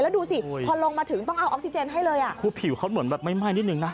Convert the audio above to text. แล้วดูสิพอลงมาถึงต้องเอาออกซิเจนให้เลยอ่ะคือผิวเขาเหมือนแบบไม่ไหม้นิดนึงนะ